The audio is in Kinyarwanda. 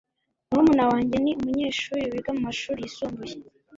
Murumuna wanjye ni umunyeshuri wiga mumashuri yisumbuye.